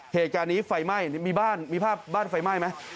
เหตุการณ์นี้ไฟไหม้มีบ้านมีภาพบ้านไฟไหม้ไหม